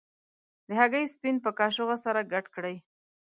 د هګۍ سپین په کاشوغه سره ګډ کړئ.